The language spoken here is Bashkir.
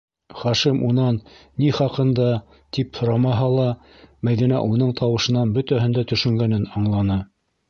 Хашим унан, ни хаҡында, тип һорамаһа ла, Мәҙинә уның тауышынан бөтәһен дә төшөнгәнен аңланы.